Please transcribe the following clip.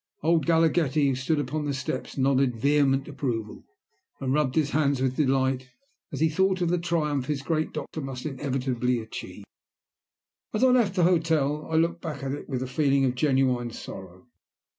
Old Galaghetti, who stood upon the steps, nodded vehement approval, and rubbed his hands with delight as he thought of the triumph his great doctor must inevitably achieve. As I left the hotel I looked back at it with a feeling of genuine sorrow.